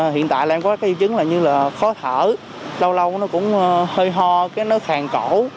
hiện tại là có các triệu chứng như là khó thở lâu lâu nó cũng hơi ho nó khàn cổ